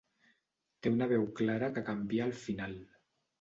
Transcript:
Té una veu clara que canvia al final.